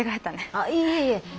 あっいえいえ。